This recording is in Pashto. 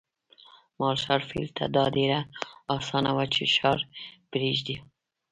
مارشال فيلډ ته دا ډېره اسانه وه چې ښار پرېږدي.